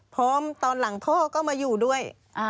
ตอนหลังพ่อก็มาอยู่ด้วย